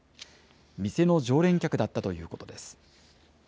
店の常連客だったということです。